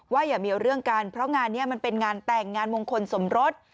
อย่ามีเรื่องกันเพราะงานนี้มันเป็นงานแต่งงานมงคลสมรส